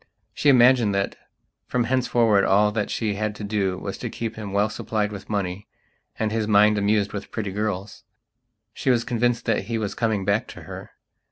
She imagined that, from henceforward, all that she had to do was to keep him well supplied with money and his mind amused with pretty girls. She was convinced that he was coming back to her.